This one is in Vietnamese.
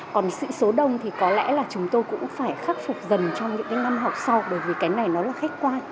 còn sĩ số đông thì có lẽ là chúng tôi cũng phải khắc phục dần trong những cái năm học sau bởi vì cái này nó là khách quan